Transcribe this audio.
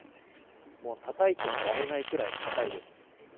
もうたたいても割れないくらい硬いです。